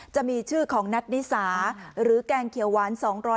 จะมีชื่อของนัทนิสาหรือแกงเขียวหวาน๒๐๐